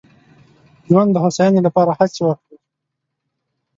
ژوندانه د هوساینې لپاره هڅې وکړي.